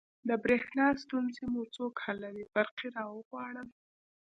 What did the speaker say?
د بریښنا ستونزې مو څوک حلوی؟ برقي راغواړم